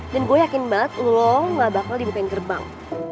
dan gue yakin banget lo ga bakal dibukain gerbang